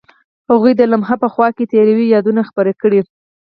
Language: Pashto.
هغوی د لمحه په خوا کې تیرو یادونو خبرې کړې.